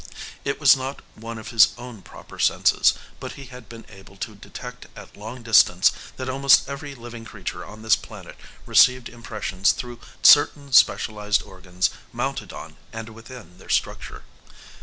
It was not one of his own proper senses, but he had been able to detect at long distance that almost every living creature on this planet received impressions through certain specialized organs mounted on and within their structure.